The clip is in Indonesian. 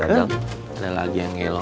tentang ada lagi yang gelo